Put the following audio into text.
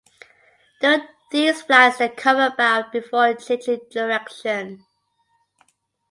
During these flights they cover about before changing direction.